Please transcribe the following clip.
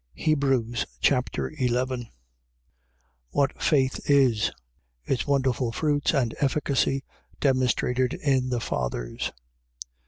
Hebrews Chapter 11 What faith is. Its wonderful fruits and efficacy demonstrated in the fathers.